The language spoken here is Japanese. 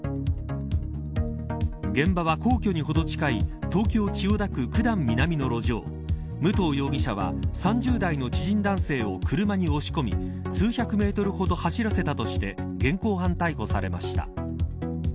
現場は皇居にほど近い東京、千代田区九段南の路上武藤容疑者は３０代の知人男性を車に押し込み数百メートルほど走らせたとして現行犯逮捕されました。